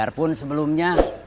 biar pun sebelumnya